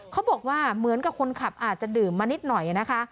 เขาบอกว่าเหมือนกับคนขับอาจจะดื่มมานิดหน่อยนะคะ